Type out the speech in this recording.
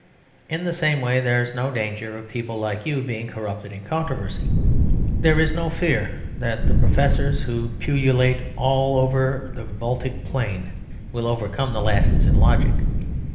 In the same way, there is no danger of people like you being corrupted in controversy. There is no fear that the professors who pullulate all over the Baltic Plain will overcome the Latins in logic.